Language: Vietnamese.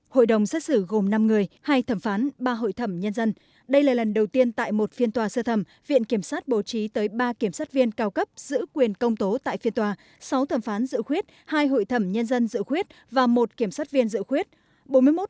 hội đồng xét xử gồm năm người hai thẩm phán ba hội thẩm nhân dân đây là lần đầu tiên tại một phiên tòa sơ thẩm viện kiểm sát bổ trí tới ba kiểm sát viên cao cấp giữ quyền công tố tại phiên tòa sáu thẩm phán dự khuyết hai hội thẩm nhân dân dự khuyết và một kiểm sát viên dự khuyết